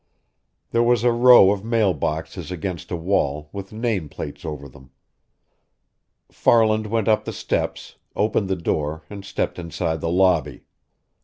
There was a row of mail boxes against a wall, with name plates over them. Farland went up the steps, opened the door, and stepped inside the lobby.